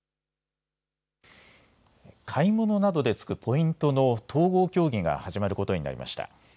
買い物などでつくポイントの統合協議が始まることになりました。